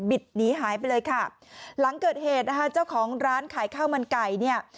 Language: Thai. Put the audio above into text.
หนีหายไปเลยค่ะหลังเกิดเหตุนะคะเจ้าของร้านขายข้าวมันไก่เนี่ย